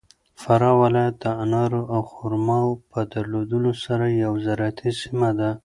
فراه ولایت د انارو او خرماوو په درلودلو سره یو زراعتي سیمه ده.